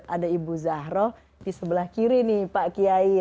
ada ibu zahro di sebelah kiri nih pak kiai